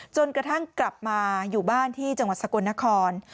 จนกระทั่งกลับมาอยู่บ้านที่จังหวัดสกลนคร